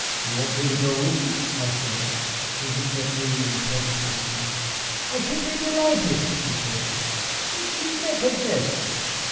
"Do you want me to go with you?" I said. He looked at me incredulously. "I should be delighted," he said, "but you mek a jest."